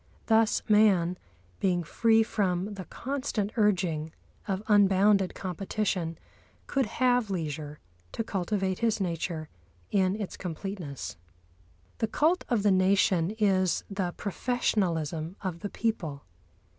Thus man, being free from the constant urging of unbounded competition, could have leisure to cultivate his nature in its completeness. The Cult of the Nation is the professionalism of the people.